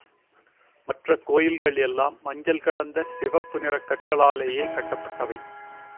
மற்ற கோயில்கள் எல்லாம் மஞ்சள் கலந்த சிவப்பு நிறக் கற்களாலேயே கட்டப்பட்டவை.